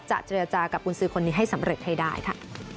เจรจากับกุญสือคนนี้ให้สำเร็จให้ได้ค่ะ